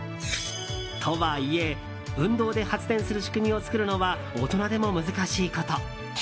とはいえ、運動で発電する仕組みを作るのは大人でも難しいこと。